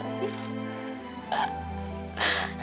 kamu tuh lucu banget sih